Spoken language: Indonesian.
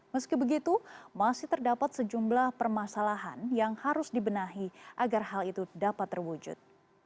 meski begitu masih terdapat sejumlah permasalahan yang harus dibenahi agar hal itu dapat terwujud